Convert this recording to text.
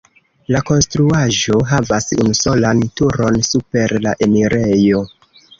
La konstruaĵo havas unusolan turon super la enirejo.